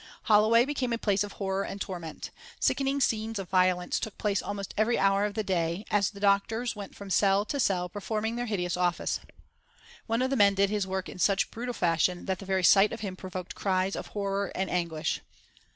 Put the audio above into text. Holloway became a place of horror and torment. Sickening scenes of violence took place almost every hour of the day, as the doctors went from cell to cell performing their hideous office. One of the men did his work in such brutal fashion that the very sight of him provoked cries of horror and anguish.